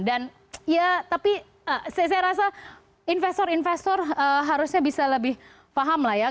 dan ya tapi saya rasa investor investor harusnya bisa lebih paham lah ya